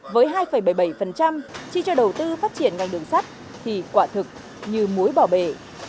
với hai bảy mươi bảy chi cho đầu tư phát triển ngành đường sắt thì quả thực như muối bỏ bể